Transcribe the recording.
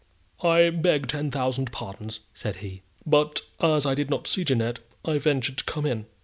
"I beg ten thousand pardons," said he, "but as I did not see Jeannette, I ventured to come in.